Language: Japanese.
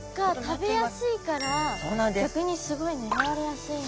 食べやすいから逆にすごい狙われやすいんだ。